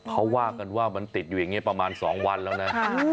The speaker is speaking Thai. เขาว่ากันว่ามันติดอยู่อย่างนี้ประมาณ๒วันแล้วนะ